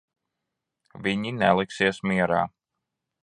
Viņi neliksies mierā.